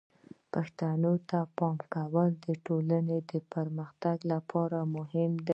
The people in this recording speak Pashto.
پښتو ته د پام ورکول د ټولنې د پرمختګ لپاره مهم دي.